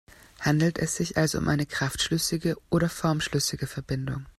Handelt es sich also um eine kraftschlüssige oder formschlüssige Verbindung?